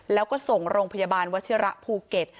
แล้วก็ส่งโรงพยาบาลวัชิระภูเก็ต